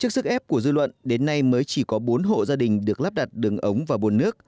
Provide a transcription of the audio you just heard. trước sức ép của dư luận đến nay mới chỉ có bốn hộ gia đình được lắp đặt đường ống và bồn nước